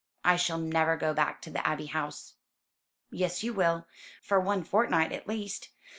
"I shall never go back to the Abbey House." "Yes, you will for one fortnight at least.